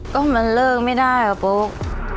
ก็มันเลิกไม่ได้อะโป๊ะ